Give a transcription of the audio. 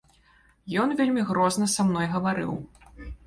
Ён вельмі грозна са мной гаварыў.